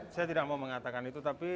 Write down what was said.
saya tidak mau mengatakan itu tapi